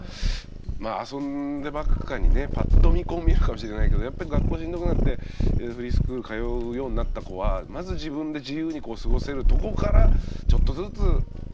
まあ遊んでばっかにねパッと見こう見えるかもしれないけどやっぱり学校しんどくなってフリースクール通うようになった子はまず自分で自由に過ごせるとこからちょっとずつ傷が癒えてきてみたいな。